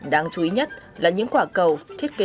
đáng chú ý nhất là những quả cầu thiết kế